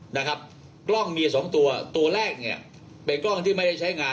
นะครับกล้องมีสองตัวตัวแรกเนี่ยเป็นกล้องที่ไม่ได้ใช้งาน